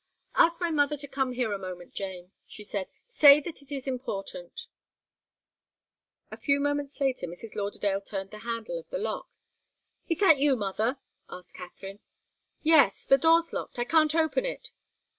"Ask my mother to come here a moment, Jane," she said. "Say that it's important." A few moments later Mrs. Lauderdale turned the handle of the lock. "Is that you, mother?" asked Katharine. "Yes. The door's locked. I can't open it."